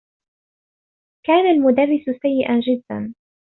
كان المدرّس سيّئا جدّا.